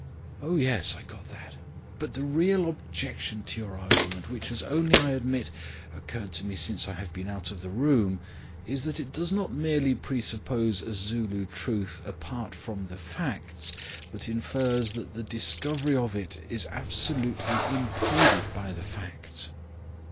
"Oh, yes, I got that. But the real objection to your argument, which has only, I admit, occurred to me since I have been out of the room, is that it does not merely presuppose a Zulu truth apart from the facts, but infers that the discovery of it is absolutely impeded by the facts."